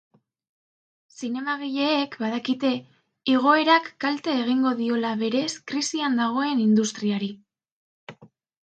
Zinemagileek badakite igoerak kalte egingo diola berez krisian dagoen industriari.